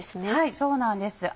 そうなんです。